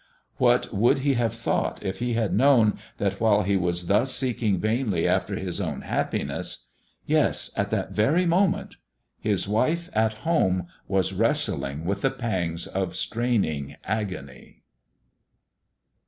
What would he have thought if he had known that while he was thus seeking vainly after his own happiness yes, at that very moment his wife at home was wrestling with the pangs of straining agony.